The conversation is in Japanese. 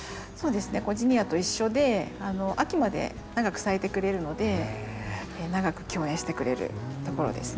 ジニアと一緒で秋まで長く咲いてくれるので長く共演してくれるところですね。